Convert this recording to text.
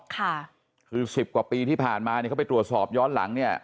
ค่ะคือสิบกว่าปีที่ผ่านมาเนี่ยเขาไปตรวจสอบย้อนหลังเนี่ย